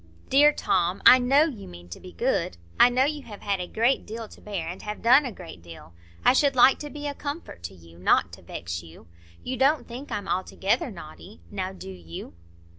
"Dear Tom, I know you mean to be good. I know you have had a great deal to bear, and have done a great deal. I should like to be a comfort to you, not to vex you. You don't think I'm altogether naughty, now, do you?"